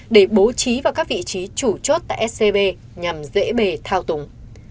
để bố trí vào các vị trí chủ chốt tại scb nhằm dễ bề thao tùng